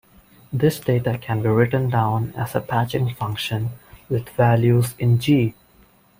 This data can be written down as a patching function, with values in "G".